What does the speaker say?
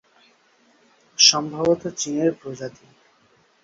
সম্ভবত চিনের প্রজাতি।